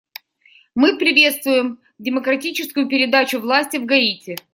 Мы приветствуем демократическую передачу власти в Гаити.